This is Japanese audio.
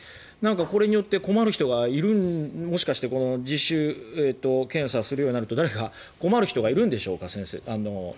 これによって困る人がもしかして自主検査するようになると誰か困る人がいるんでしょうか。